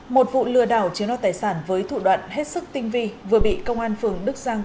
một vụ lừa đảo chiếm đoạt tài sản với thủ đoạn hết sức tinh vi vừa bị công an phường đức giang